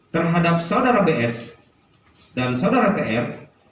terhadap saudara bs dan saudara tr